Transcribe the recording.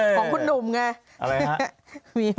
ของคุณหนุ่มไง